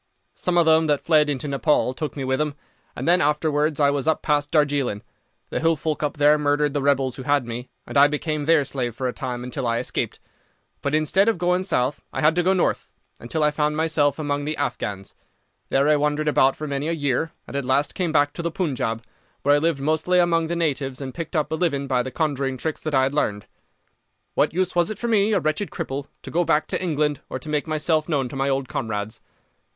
Some of them that fled into Nepaul took me with them, and then afterwards I was up past Darjeeling. The hill folk up there murdered the rebels who had me, and I became their slave for a time until I escaped; but instead of going south I had to go north, until I found myself among the Afghans. There I wandered about for many a year, and at last came back to the Punjab, where I lived mostly among the natives and picked up a living by the conjuring tricks that I had learned. What use was it for me, a wretched cripple, to go back to England or to make myself known to my old comrades?